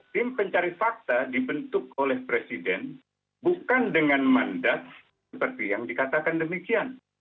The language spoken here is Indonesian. tim pencari fakta dibentuk oleh presiden bukan dengan mandat seperti yang dikatakan demikian